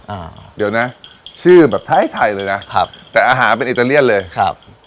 อ่าเดี๋ยวนะชื่อแบบไทยไทยเลยนะครับแต่อาหารเป็นอิตาเลียนเลยครับ